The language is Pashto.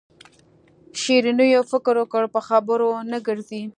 شیرینو فکر وکړ په خبرو نه ګرځي.